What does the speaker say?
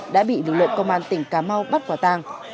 đã bị lực lượng công an tỉnh cà mau bắt quả tàng